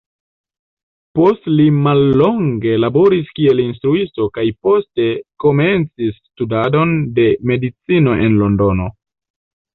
Post li mallonge laboris kiel instruisto, kaj poste komencis studadon de medicino en Londono.